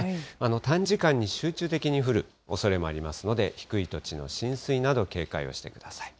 短時間に集中的に降るおそれもありますので、低い土地の浸水など警戒をしてください。